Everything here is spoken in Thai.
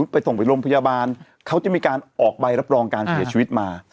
ไปส่งไปโรงพยาบาลเขาจะมีการออกใบรับรองการเสียชีวิตมา